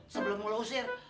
sebelum lo usir